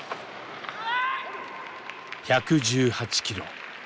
１１８キロ